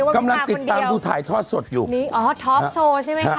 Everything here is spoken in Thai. กำลังติดตามดูถ่ายทอดสดอยู่นี่อ๋อท็อกโชว์ใช่ไหมคะ